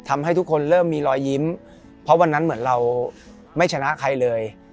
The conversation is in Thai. ทำให้ทุกคนเริ่มมีรอยยิ้มเพราะวันนั้นเหมือนเราไม่ชนะใครเลย